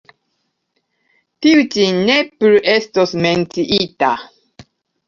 Tiu ĉi ne plu estos menciita.